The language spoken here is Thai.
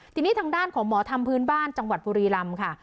ทีนี้ทางด้านของหมอธรรมพื้นบ้านจังหวัดบุรีรำค่ะ